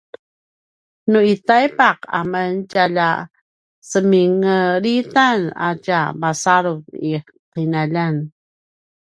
nu i taipaq amen tjalja semingelitan a tja masalut i qinaljan